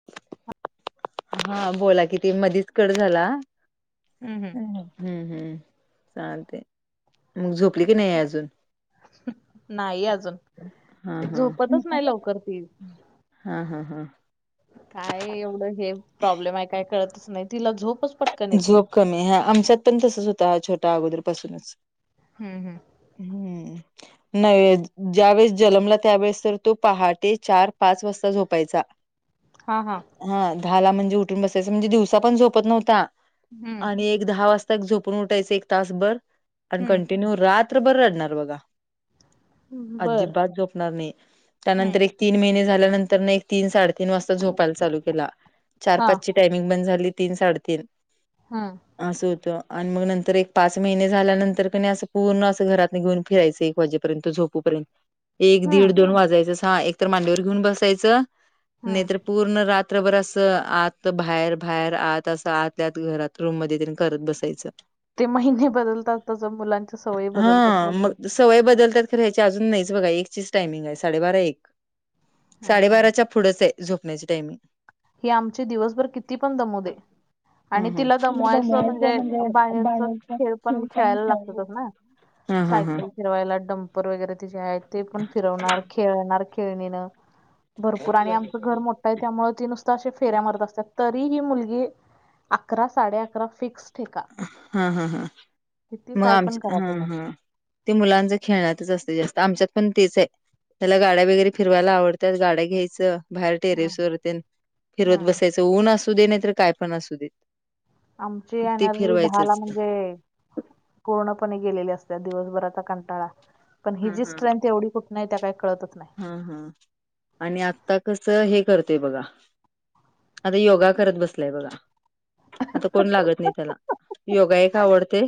[unintelligible] हा बोला कि ती मधीच कड झाला. हम् हम. हम्म हम्म चालते मग झोपली की नाही अजून. नाही अजून हा झोपतच नाही लवकर ती हा हा हा हा. काय एवढं हे प्रॉब्लेम आहे काय कळतच नाही तिला झोपच पट झोप कमी हा आमच्यात पण तसच होता छोटा अगोदर पासूनच. हम् हम्. हम्म. नव्हे... ज्या वेळेस जनमला... त्यावेेळेस तर तो पहाटे चार पाच वाजता झोपायचा [unintelligible] हां हां हा दाहला... म्हणजे उठून बसायचं.. म्हणजे दिवसा पण झोपत नव्हता हम्म आणि एक दहा वाजता, एक झोपून उठायचं... एक तासभर आणि कंटिन्यू रात्रभर रडणार बघा... हम्म बर अजिबात झोपणार नई... हम्म त्यानंतर एक तीन महिने झाल्यानंतरनं... एक तीन साडेतीन वाजता झोपायला चालू केला, चार हा पाचची टायमिंग बंद झाली... तीन साडेतीन हुं. असं होतं. आणि मग नंतर, एक पाच महिने झाल्यानंतर, क नई असं पूर्ण... असं घरात घेऊन फिरायचे वाजेपर्यंत... झोपूपर्यंत एक, हम्म दीड, दोन वाजायचं... तसा हा एक तर मांडीवर घेऊन बसायचं हम्म नाईतर पूर्ण रात्रभर असं... आत बाहेर... बाहेर आत, असं आत त्याच घरात... रूम मध्ये ध्यान करत बसायचं ते महिने बदलतात, तसं मुलांच्या सवयी बदलतात हा म्हणतात मग सवय बदलतात खरे... ह्याची अजून नाहीच बघा... एकचीच टायमिंग ए... साडेबारा एक... साडे हम्म बाराच्या पुढ पुढंच ए... झोपण्याची टायमिंग ही आमची दिवसभर किती पण दमू दे आणि तिला दमवायचं म्हणजे, बाहेरचं खेळ पण खेळायला लागतातच ना हा हा हा सायकल फिरवायला, टम र वगैरे ते जे हायेत... ते पण फिरवणार... खेळणार खेळणीनं भरपूर आणि आमचं घर मोठं ए... त्यामुळे ते नुस अशे फेऱ्या मारत असतात... तरी ही मुलगी... अकरा साडे अकरा फिक्स ठेका हं... हं... हं... किती मग काय पण आमच्या... करा हुं तुम्ही हुं ते मुलांचं खेळण्यातच असतेय जास्त... आमच्यात पण तेच ए त्याला गाड्या वगैरे फिरवायला आवडतात... गाड्या घ्यायचं बाहेर हम्म टेरेसवर तेन, फिरवत हम्म. बसायचं... ऊन असू दे, नाई तर काय पण असू दे आमची ते एनर्जी दहाला फिरवायचंच म्हणजे पूर्णपणे गेलेली असते, दिवसभराचा कंटाळा... पण हा हिची स्ट्रेंथ एवढी नाई त्या काय, कळतच नाय हं... हं आणि आत्ता कसं हे... करतय बघा आता योगा करत बसलाय बगा आता कोण लागत नाई त्याला... योगा एक आवडतय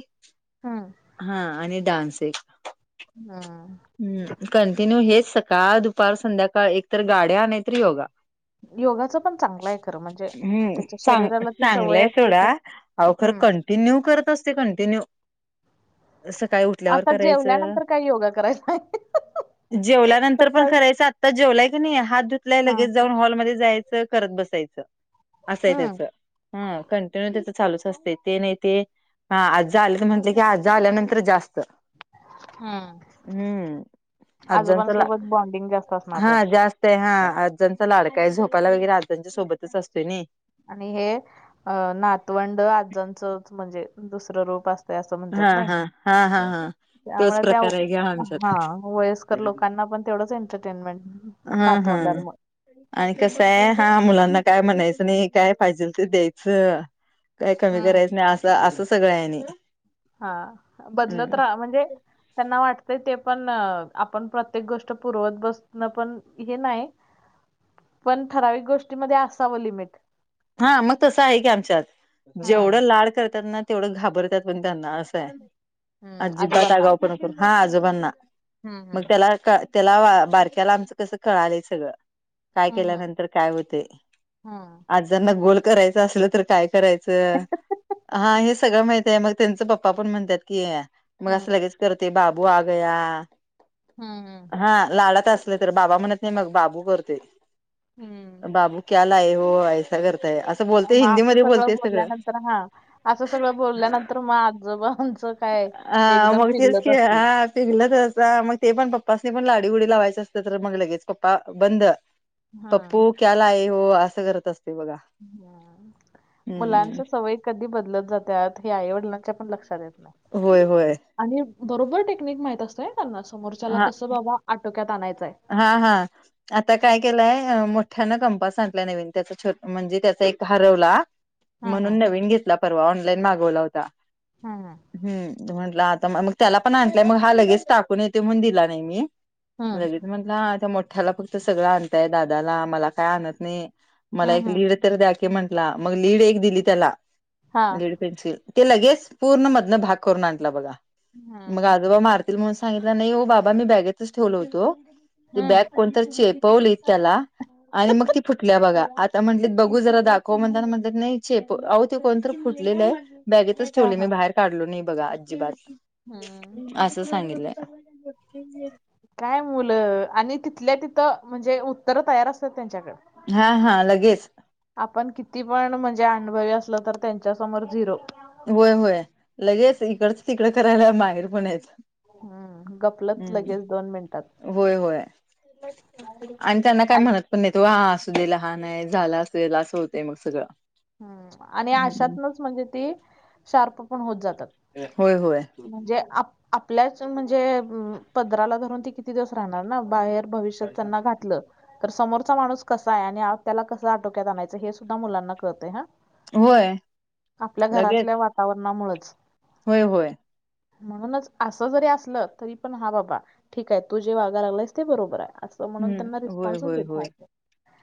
हुं. हा... आणि डान्स एक हम्म हम्म... कंटिन्यू हेच सकाळ, दुपार, संध्याकाळ... एकतर गाड्या नायतर योगा योगाचं पण चांगलं आहे खरं म्हणजे हम्म... त्याच्या चां... शरीराला ती सवय चांगलंय असली तर सोडा, अहो खरं हम्म कं न्यू करत असते... कंटिन्यू... सकाळी उठ ल्या वर आता करायचं... जेवल्यानंतर काही योगा करायचा आहे जेवल्यानं पण सकाळी करायचं... आत्ता जेवलाय की नई... हात धुतलाय... हा लगेच जाऊन हॉलमध्ये जायचं, करत बसायचं असं ए हम्म त्याचं... हा, कंटिन्यू त्याच चालूच असतं... ते नई ते हा... आज्या आलं म्हटलं की, आज्या आल्यानंतर जास्त हम्म हम्म... आज्यांचा ला आजोबांसोबत बॉन्डिंग जास्त असणार हा... त्याचा जास्त है... हा अज्ज्यांचा लाडका ए... झोपायला वगैरे... आज्यांच्यासोबतच असतोय नई आणि हे... अ... नातवंड, आजांचं म्हणजे दुसरं रूप अस हाहा... हा हा हा. तोच त्यामुळे त्या... प्रकार आहे घ्या आमच्यात हा... वयस्कर लोकांना पण तेवढंच एंटरटेनमेंट हा हा नातवंडामुळं आणि कसंय... हा, मुलांना काय म्हणायचं नाई... काय पाहिजेल ते द्यायचं काय कमी हम्म करायचं नाही असं असं सगळं आहेनी. हा बदलत राहा म्हणजे त्यांना वाटतय ते पण आपण प्रत्येक गोष्ट पर्वत बसन पण हे नाही पण ठराविक गोष्टीमध्ये असावं लिमिट. हा मग तसं आहे की आमच्यात हम्म जेवढं लाड करत्यात ना तेवढं घाबरतात पण त्यांना असंय हम्म अजिबात आजोबांना आगाव पण करून हा आजोबांना. हम्म मग हम्म त्याला त्याला बारक्याला आमचं कसं कळालंय सगळं. काय केल्यानंतर काय होते. हा आजांना गोल करायचं असलं तर काय हम्म करायचं? हा हे सगळं माहित आहे मग त्यांच पप्पा पण म्हणतात की मग असं लगेच करते बाबू आगया हम् हम् हा लाडात असले तर बाबा म्हणत नाही मग बाबू करते हम्म बाबू. कला आहे हो आहे. य [unintelligible] मग असं सगळं बोलल्यानंतर हा असं सगळं बोलल्यानंतर मग आजबचं. हा मग तेच क हा शिकल तर मग ते पण पप्पानी पण लाडी उडी लावायचं असतं तर मग लगेच पप्पा बंद. हम्म. पप्पू क्याला आहे हो असं करत असते बघा. ह हम्म मुलांच्या सवयी कधी बदलत जातात हे आईवडिलांच्या पण लक्षात येत नाही. होय होय. आणि बरोबर टेक्निक माहित असतंय त्यांना समोरच्याला हा कसं बाबा आटोक्यात आणायचंय. हा हा आता काय केलंय मोठ्यानं कंपासांटल्या नवीन त्याचा छोट म्हणजे त्याचा एक हरवला हम्म म्हणून नवीन घेतला परवा ऑनलाईन मागवला होता हम्म ह् म्हट मग त्याला पण आणलंय मग हा लगेच टाकून येते म्हणून दिला नाही मी हम्म लगे. म्हटलं त्या मोठ्याला फक्त सगळं आणताय दादाला मला काय आणत नाही मला हम्म एक हम्म हम्म लीड द्या म्हंट मग लीड एक दिली त्यालाड. हा ते लगेच पूर्ण मध भाग करून आण बघा हम्म मगज सांगितला नाही हो बाबा मी बॅगेतच ठेवल होतो. हम्म बॅग कोणतर चेपवली त्याला. आणि मग ती फुटली बघा आता म्हटलेत बघू जरा दाखव म्हणता म्हटलंत नाही आओ ते कोणत फुटलेलं आहे. बॅगेतच हा ठेवले मी हा. बाहेर काढलो नाही बघा अजिबात हम्म. असं सांगितलंय. की [unintelligible] काय मुलं आणि तिथल्या तिथं म्हणजे उत्तरं तयार असतात त्यांच्याकडे. हा हा लगेच. आपण किती पण म्हणजे अनुभवी असल तर त्यांच्यासमोर झिरो. होय होय लगेच इकडच तिकडं करायला माहेर पण आहेत. हम्म गपलत हम्म लगेच दोन मिनिटात. होय होय. आणि त्यांना काय म्हणत पण नाही तो हा असू दे लहान आहे झाला असू देला असं होत मग सगळं. ह आणि हम्म आशातनच म्हणजे ती शार्प पण होत जातात. होय होय म्हणजे आपल्याच म्हणजे पदराला धरून ती किती दिवस राहणार ना बाहेर भष ण क त्या कत आणाय मुलांना करते ह होय आपल्या लगेच घरातल्या वातावरणामुळेच होय होय म्हणूनच आसं जरी असलं तरी पण हा बाबा ठीक आहे तू जे वागालागलाल्यास ते बरोबर आहे आसं. म्हणून त्यांना हम्म होय रिस्पॉन्सचं होय देत होय नाही तर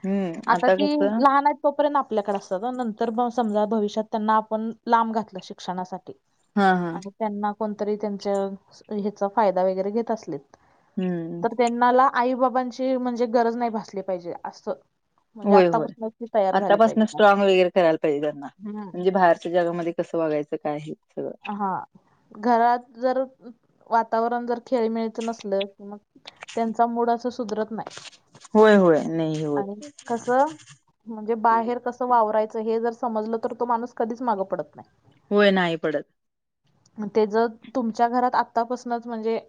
हम्म आता ती कसं लहान आहे तोपर्यंत आपल्याकड असतात नंतर म समजा भविष्यात त्यांना आपण लांब घातलं शिक्षणासाठी हा हा. आणि त्यांना कोणतरी त्यांच हेचा फायदा वेगेरे घेत आसलित हम्म तर त्यां कोणाला आई बाबांची म्हणजे गरज नाही भासली पाहिजे आसं. होय होय आतापासनचं स्ट्रॉग वगैरे करायला पाहिजे त्यांना. हम् म्हणजे बाहेरच्या जगामध्ये कसं वागायचं काय हे सगळं. हा घरात जर वातावरण जर खेळीमेळीच नसल कि मग त्यांचा मूड असं सुधरत नाही. होय होय. नाही होत आणि कसं म्हणजे बाहेर कसं वावरायचं हे जर समजलं तर तो माणूस कधीच मागं पडत नाही. होय नाही पडत. तेज तुमच्या घरात आतापासनच म्हणजे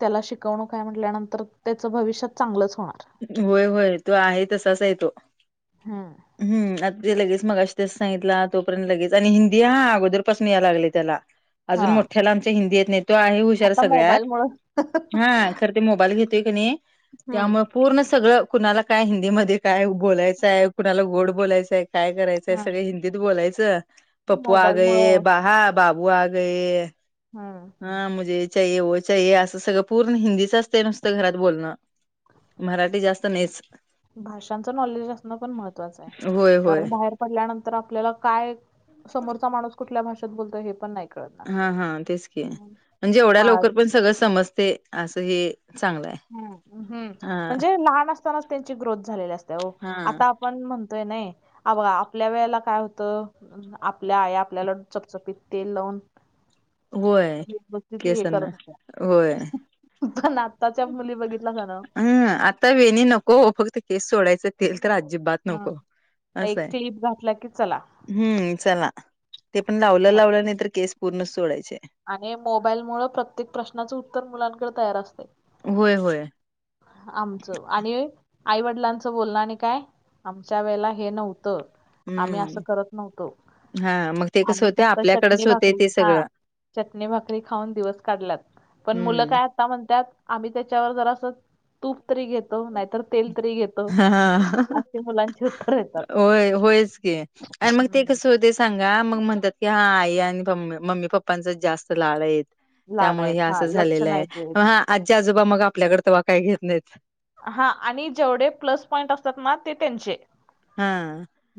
त्याला शिकवणूक हाय म्हटल्यानंतर त्याच भविष्यात चांगलंच होणार. होय होय तो आहे तसाच आहेे तो हम्म. हम्म आता ते लगेच मगाशी तेच सांगितला तोपर्यंत लगेच आणि हिंदी हा अगोदरपासन यालागलय तेला हा आजून मोठ्याला आमच्या हिंदी येत नाही तो आहे हुशार आता सगळ्यात मोबाईलमुळं हा खर ते मोबाईल घेतोय कनी त्यामुळ हम्म पूर्ण सगळं कुणाला काय हिंदीमध्ये काय बोलायचहाय कुणाला गोड बोलायचं हाय काय करायचंय हम्म सगळे हिंदीत बोलायचं पप्पू आगये मोबाईलमुळं बाहा बाबू आगये हा. हा मुझे ये चाहिए ओ चाहिए असं सगळं पूर्ण हिंदीच अस ते नुसत घरात बोलणं मराठी जास्त नाहीच. भाषांच नॉलेज असणं पण महत्त्वाचं आहे. होय होय कारण बाहेर पडल्यानंतर आपल्याला काय समोरचा माणूस कुठल्या भाषेत बोलतो हे पण नाही कळणार हा हा तेच की म्हणजे एवढ्या मा लवकर पण सगळं समजते आसं हे चांगल हाय. हुं, हुं म्हणजे लहान असतानाच त्यांची ग्रोथ झालेली आसत्या ओ हा आता आ पण म्हणतोय नाही आ ब आपल्या वेळेला काय होतं? आपल्या आया आपल्याला चपचपित तेल लावून होय व्यवस्थित हे केसांना करत होय होत्या पण आताच्या मुली बघितल्यासा नव्ह हम्म आता वेणी नको फक्त केस सोडायचं तेलतर आजिबात हा. नको असं एक हाय. क्लिप घातला की चला हम्म चला ते पण लावलं हं. लावलं नाही तर केस पूर्ण सोडायचे. आणि मोबाईलमुळ प्रत्येक प्रश्नाचं उत्तर मुलांकड तयार आसतय. होय होय. आमचं आणि आईवडिलांचं बोलणं आणि काय आमच्या वेळेला हे नव्हतं, आम्ही हम्म असं करत नव्हतो, हा मग ते कसं आम्ही होते फक्त चटणी आपल्याकडेच होते भाकरी ते हा सगळं चटणी भाकरी खाऊन दिवस काढल्यात पण मुल हम्म काय आता म्हणतात आम्ही त्याच्यावर जरास तूप तरी घेतो नाहीतर तेल तरी घे हा येतात होय होयच की आणि मग ते हम्म. कस होतय सांगा मग म्हणत्यात की हा आई आणि प् मम्मी पप्पांच जास्त लाड आहीत, लाड त्यामुळे हे आहेत हा असं लक्ष झालेलं आहे नाही देत हा आजी आजोबा मग आपल्याकडे तव्हा काय घेत नाहीत. हा आणि जेवढे प्लस पॉईंट असतात ना ते त्यांचे. हा.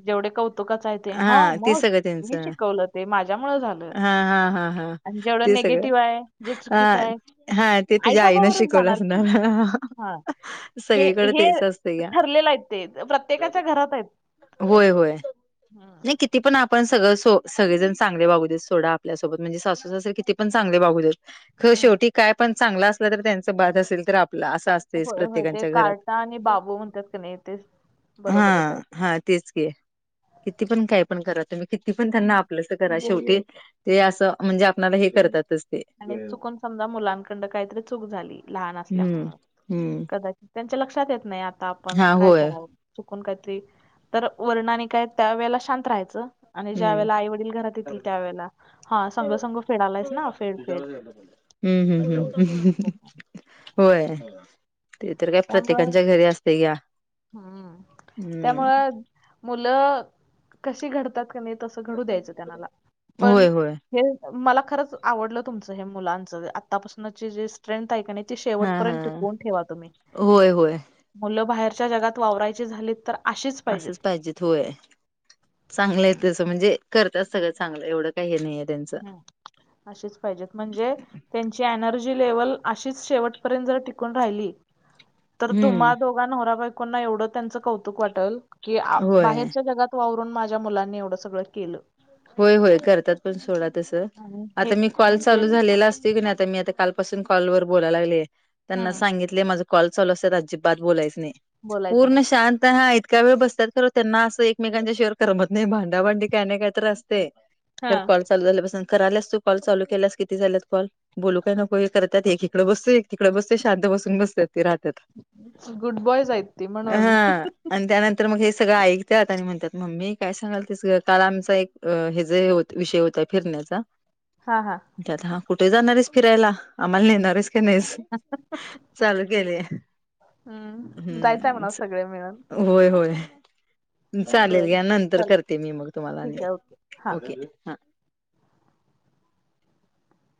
जेवढे कौतुकाच काय ते? हं, हा ते मग सगळं मी त्यांचं शिकवलं ते माझ्या मुळ झालं. हा हा हा हा आणि जेवढं ते सगळं निगेटिव्ह आहे, जे हा चुकीच आहे हा ते आई, तुझ्या बाबा आईनं वरच शिकवलं जाणार, की असणार. हा. हे, सगळीकडे हे तेच असतं या ठरलेलं आहे ते प्रत्येकाच्या घरात आहेत. होय होय. हा. नाही किती पण आपण सगळं सो सगळेजण चांगले वागू देत, सोडा आपल्यासोबत म्हणजे सासू, सासरे किती पण चांगले वागू देत. ह हम्म. शेवटी काय पण चांगला असला, तर त्यांचा बाद असेल तर आपला असं अस होय होय ते कार्टा आणि बाबू म म्हणत्यात, कि नाही तेेच हा हा, तेच कि. किती पण काय पण करा तुम्ही, किती पण त्यांना हम्म. आपलंस करा शेवटी ते असं म्हणजे, आपणाला हे करतातचं. आणि चुकून समजा मुलांकडं काहीतरी चूक झाली, लहान हम्म असल्यामुळ हम्म कदाचित त्यांच्या लक्षात येत नाही, आता आपण हा काय होय करावं? चुकून काहीतरी तरी, वरण आणि काय त्या वेळेला शांत राहायचं. आणि ज्या हम्म वेळेला आई, वडील घरात येतील, त्या वेेळेला हा संघ संघ फेडालायस ना फेड. ह फेड ह हम्म! ह असं. होय, ते तर, काय त्यामुळं प्रत्येकांच्या घरी असतयं घ्या. हम्म त्यामुळं मुलं कशी घडतात क नाही, तसं घडू द्यायचं त्यांनाला पण होय होय हे मला खरंच आवडलं तुमचं हे मुलांच आत्ता पासूनचे जे [unintelligible] ऐकण्याची हा हा शेवपर्यंत टिकवून ठेवा तुम्ही, होय होय. मुलं बाहेरच्या जगात वावरायची झाली तर, असंच पाहिजेत होय. चांगलं आहे हम्म, तसं म्हणजे, करतात सगळं चांगलं एवढं काय हे नाही हाय त्यांचं. हम अशीच पाहिजेत म्हणजे, त्यांची एनर्जी लेव्हल अशीच शेवटपर्यत, जर टिकून राहिली. तर हम्म. तुम्हा दोघां नवरा बायकोंना एवढं त्यांचं कौतुक वाटेल, कि आप होय बाहेरच्या जगात वावरून माझ्या मुलांनी एवढं सगळं केलं. होय होय करतात, पण सोडा तसं आणि हे आता मी कॉल म्हणजे चालू झालेला असतोय, की आता मी आता काल [unintelligible] कॉल वर बोलायला लागले, त्यांना हम्म सांगितलयं, माझ कॉल चालू असत्यात अजिबात बोलायच नाही. बोलायचं नाही पूर्ण शांत [unintelligible] त्यावेळी बसतात खरं त्यांना असं एकमेकांच्या शिवाय करमत नाही, भांडाभांडी काय नाही, काय तर असतय. हा तर कॉल चालू झाल्या पासून कराल्यास, तू कॉल चालू केल्यास किती झाल्यात कॉल? बोलू काय नको हे करत्यात, एक इकडे बसतोयं एक तिकडे बसतोय शांत बसून बसत्यात. ति राहत्यात गुड बॉयज आहेत ती म्हणून ह. आणि त्यानंतर मग हे सगळं ऐकत्यात, आणि म्हणत्यात मम्मी काय सांगालतीस ग? काल आमचं एक अ हेज हे विषय होता, फिरण्याचा. हा हा. [unintelligible] कुठे जाणार आहेस, फिरायला आम्हाला नेणार आहेस की नाहीस? चालू केलयं, जायचंय हम्म! म्हणा [unintelligible] सगळे मिळून होय होय चालेल, बरं घ्या नंतर चल करते, मी मग तुम्हाला आणि. ठीक आहे ओके हा ओके! हा.